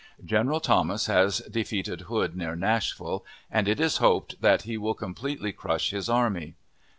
General Thomas has defeated Hood, near Nashville, and it is hoped that he will completely, crush his army.